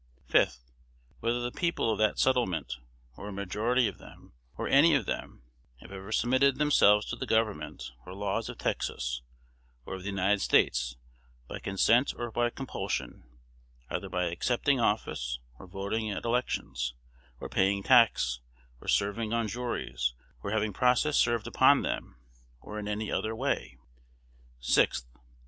5th. Whether the people of that settlement, or a majority of them, or any of them, have ever submitted themselves to the government or laws of Texas or of the United States, by consent or by compulsion, either by accepting office, or voting at elections, or paying tax, or serving on juries, or having process served upon them, or in any other way. 6th.